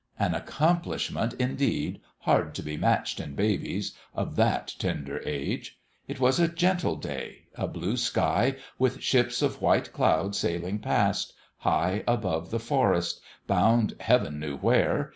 An accomplishment, indeed, hard to be matched in babies of that tender age ! It was a gentle day : a blue sky, with ships of white cloud sail ing past, high above the forest, bound heaven knew where